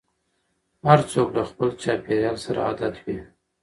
هر څوک له خپل چاپېريال سره عادت وي.